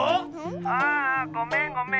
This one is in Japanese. ああごめんごめん。